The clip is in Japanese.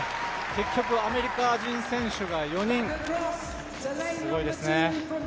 結局アメリカ人選手が４人、すごいですね。